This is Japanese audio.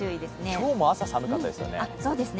今日も朝、寒かったですよね。